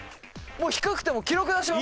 低くても記録出します